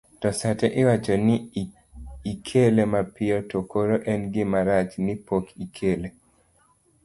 to sate iwacho ni ikele mapiyo to koro en gima rach ni pok ikele